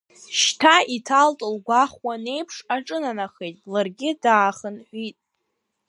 Шьҭа иҭалт лгәахәуан еиԥш, аҿынанахеит, ларгьы даахынҳәит.